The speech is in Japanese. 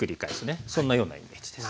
そんなようなイメージです。